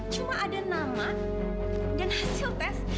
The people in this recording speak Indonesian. cuma ada nama dan hasil tes